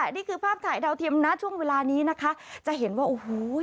นี่คือภาพถ่ายดาวเทียมนะช่วงเวลานี้นะคะจะเห็นว่าโอ้โห